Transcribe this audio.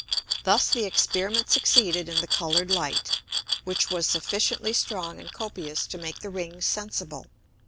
Thus the Experiment succeeded in the colour'd Light, which was sufficiently strong and copious to make the Rings sensible.